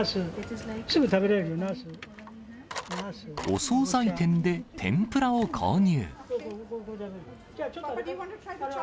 お総菜店で天ぷらを購入。